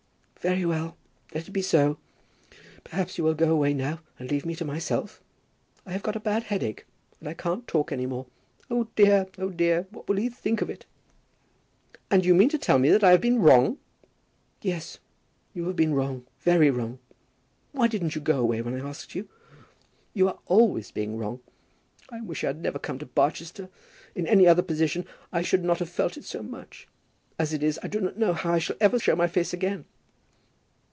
"Very well. Let it be so. Perhaps you will go away now and leave me to myself. I have got a bad headache, and I can't talk any more. Oh dear, oh dear, what will he think of it!" "And you mean to tell me that I have been wrong!" "Yes, you have been wrong, very wrong. Why didn't you go away when I asked you? You are always being wrong. I wish I had never come to Barchester. In any other position I should not have felt it so much. As it is I do not know how I can ever show my face again."